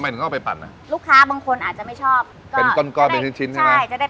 เราเอามาปั่นแล้วก็บดรวมกันนะฮะ